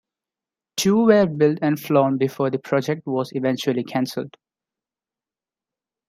Two were built and flown before the project was eventually canceled.